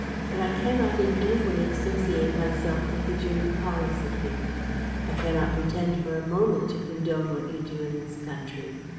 But I cannot in any way associate myself with the German policy here. I cannot pretend for a moment to condone what you do in this country.